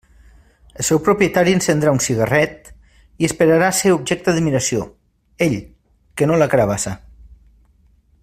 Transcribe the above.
El seu propietari encendrà un cigarret i esperarà ser objecte d'admiració, ell, que no la carabassa.